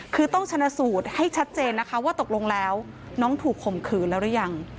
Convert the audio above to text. คือต้องชนะสูตรให้ชัดเจนนะคะว่าตกลงแล้วน้องถูกข่มขืนแล้วหรือยัง